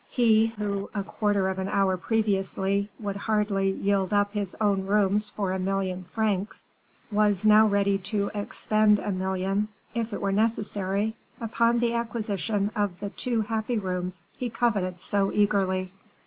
He who, a quarter of an hour previously, would hardly yield up his own rooms for a million francs, was now ready to expend a million, if it were necessary, upon the acquisition of the two happy rooms he coveted so eagerly.